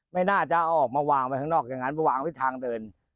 ไม่น่าจะเอาออกมาวางไว้ข้างนอกอย่างนั้นมาวางไว้ทางเดิน